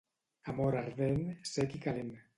Amor ardent, cec i calent.